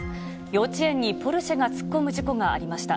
幼稚園にポルシェが突っ込む事故がありました。